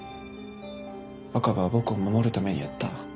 若葉は僕を守るためにやった。